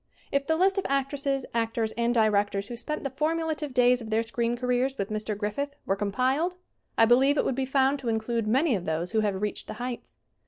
If the list of actresses, actors and directors who spent the formulative days of their screen careers with Mr. Griffith were compiled I believe it would be found to include many of those who have reached the heights.